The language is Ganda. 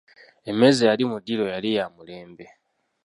Emmeeza eyali mu ddiiro yali ya mulembe!